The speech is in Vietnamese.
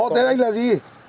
họ tên anh là gì